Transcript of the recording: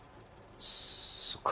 そっか。